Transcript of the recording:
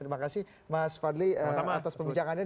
terima kasih mas fadli atas perbincangannya